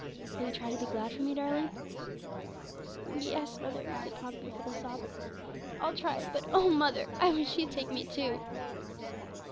Will you try to be glad for me, darling?' 'Yes, mother,' said little Poppy with a sob, 'I'll try; but, oh mother, I wish He'd take me too!'